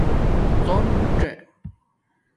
څݸنژ